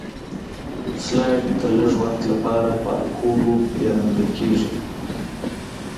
سلایډ د لږ وخت لپاره په الکولو بې رنګ کیږي.